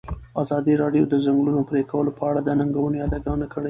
ازادي راډیو د د ځنګلونو پرېکول په اړه د ننګونو یادونه کړې.